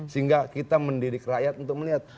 sehingga kita mendidik rakyat untuk melihat